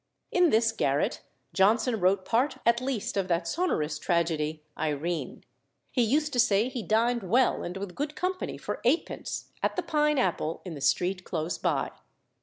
In this garret Johnson wrote part at least of that sonorous tragedy, "Irene." He used to say he dined well and with good company for eightpence, at the Pine Apple in the street close by.